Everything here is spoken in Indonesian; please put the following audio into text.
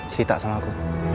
cerita sama aku